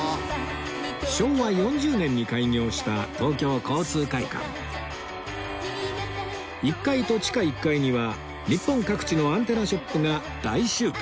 昭和４０年に開業した東京交通会館１階と地下１階には日本各地のアンテナショップが大集結